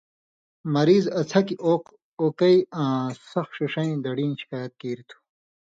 مریض اڅھکیۡ اوق/اوکیۡ آں سخ ݜݜَیں دڑیں شِکایت کیریۡ تُھو۔